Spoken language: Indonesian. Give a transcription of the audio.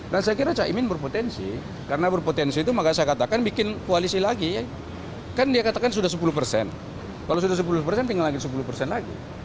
dan saya kira caimin berpotensi karena berpotensi itu maka saya katakan bikin koalisi lagi kan dia katakan sudah sepuluh persen kalau sudah sepuluh persen tinggal lagi sepuluh persen lagi